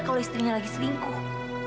kalau istrinya lagi selingkuh